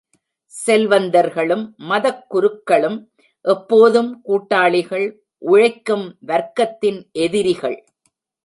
செல்வந்தர்களும் மதக் குருக்களும் எப்போதும் கூட்டாளிகள் உழைக்கும் வர்க்கத்தின் எதிரிகள்.